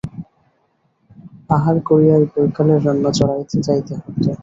আহার করিয়াই বৈকালের রান্না চড়াইতে যাইতে হইত।